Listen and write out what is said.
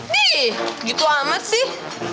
dih gitu amat sih